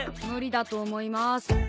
無理だと思います。